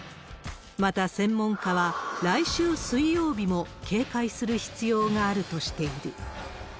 また、専門家は、来週水曜日も警戒する必要があるとしている。